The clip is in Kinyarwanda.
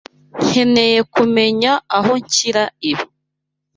Nkeneye kumenya aho nshyira ibi.